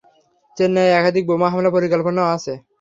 চেন্নাইয়ে একাধিক বোমা হামলার পরিকল্পনা আছে।